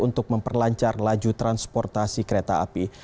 untuk memperlancar laju transportasi kereta api